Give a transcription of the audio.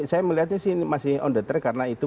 saya melihatnya sih masih on the track karena itu